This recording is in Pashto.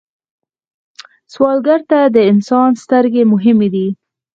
سوالګر ته د انسان سترګې مهمې دي